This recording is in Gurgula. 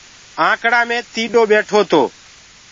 آنڪڙآ مي ٽيڏو ٻيٺو تو۔